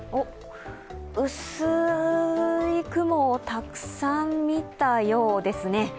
うっすーい雲をたくさん見たようですね。